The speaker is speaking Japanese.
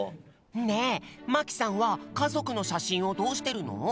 ねえ真木さんはかぞくのしゃしんをどうしてるの？